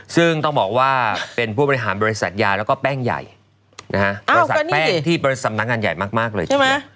ซึ่งต้องบอกว่าเป็นผู้บริหารบริษัทยาแล้วก็แป้งใหญ่บริษัทแป้งที่สำนักงานใหญ่มากเลยทีเดียว